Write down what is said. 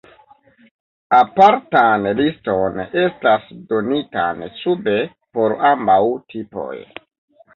Apartan liston estas donitan sube por ambaŭ tipoj.